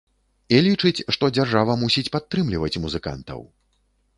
І лічыць, што дзяржава мусіць падтрымліваць музыкантаў.